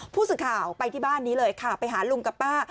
ผู้สื่อข่าวไปที่บ้านนี้เลยค่ะไปหาลุงกับป้า